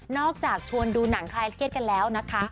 จากชวนดูหนังคลายเครียดกันแล้วนะคะ